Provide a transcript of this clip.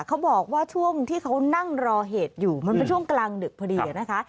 เขาบอกว่าช่วงที่เขานั่งรอเหตุอยู่มันเป็นช่วงกลางดึกพอดีนะคะ